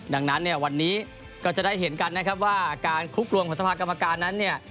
ดังนั้นเนี่ยวันนี้ก็จะได้เห็นกันนะครับว่าการคลุกรวมของสภากรรมการนั้นเนี่ย